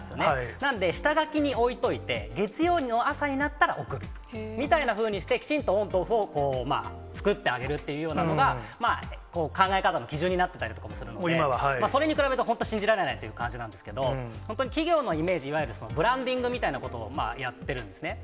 なんで、下書きに置いといて、月曜の朝になったら送るみたいなふうにして、きちんとオンとオフを作ってあげるっていうようなのが考え方の基準になってたりとかもするので、それに比べると、本当信じられないって感じなんですけど、企業のイメージ、いわゆるブランディングみたいなことをやってるんですね。